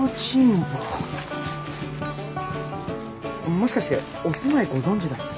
もしかしてお住まいご存じだったり。